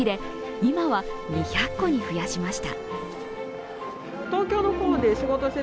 今は２００個に増やしました。